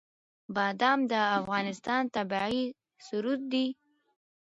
بادام د افغانستان طبعي ثروت دی.